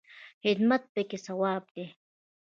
خدمت پکې ثواب دی